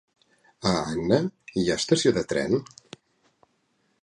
A Anna hi ha estació de tren?